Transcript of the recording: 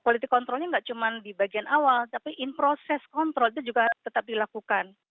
quality controlnya tidak cuma di bagian awal tapi in process control itu juga harus tetap dilakukan